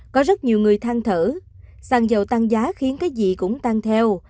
có rất nhiều người thang thở xăng dầu tăng giá khiến cái gì cũng tăng theo